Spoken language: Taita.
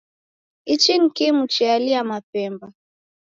Ichi ni kimu chealia mapemba